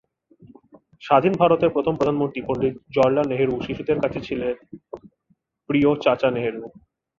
স্বাধীন ভারতের প্রথম প্রধানমন্ত্রী পণ্ডিত জওহরলাল নেহরু শিশুদের কাছে ছিলেন প্রিয় "চাচা নেহেরু"।